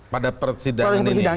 pada persidangan ini